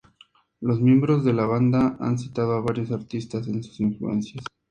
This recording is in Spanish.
Los miembros de la banda han citado a varios artistas en sus influencias.